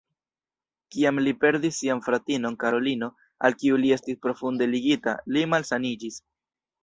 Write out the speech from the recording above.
Kiam li perdis sian fratinon Karolino, al kiu li estis profunde ligita, li malsaniĝis.